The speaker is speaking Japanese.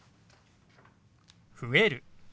「増える」。